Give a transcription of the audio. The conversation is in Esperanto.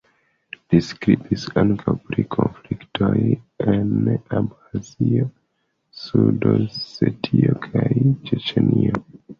Li skribis ankaŭ pri konfliktoj en Abĥazio, Sud-Osetio kaj Ĉeĉenio.